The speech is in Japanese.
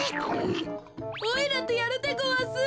おいらとやるでごわす。